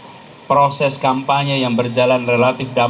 dan juga proses kampanye yang berjalan relatif